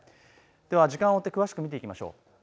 ては時間を追って詳しく見ていきましょう。